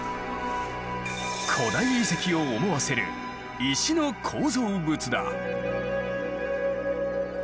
古代遺跡を思わせる石の構造物だ。